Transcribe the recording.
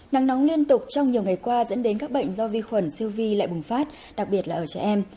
nắng nóng liên tục trong nhiều ngày qua dẫn đến các bệnh do vi khuẩn siêu vi lại bùng phát đặc biệt là ở trẻ em